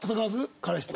彼氏とは。